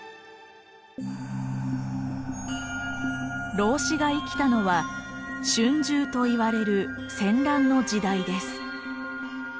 老子が生きたのは春秋といわれる戦乱の時代です。